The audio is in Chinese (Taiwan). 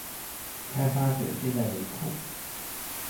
開發者現在沒空